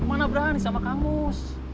mana berani sama kang mus